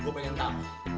gue pengen tahu